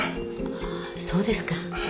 ああそうですか。